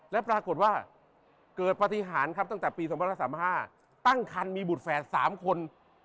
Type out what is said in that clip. และปรากฏว่าเกิดปฏิหารครับตั้งแต่ปี๒๐๓๕ตั้งคันมีบุตรแฝด๓คน